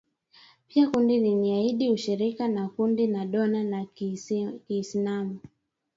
Pia kundi liliahidi ushirika na kundi la dola ya Kiislamu